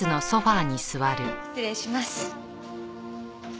失礼します。